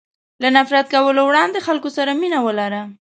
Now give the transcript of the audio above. له نفرت کولو وړاندې خلکو سره مینه ولره.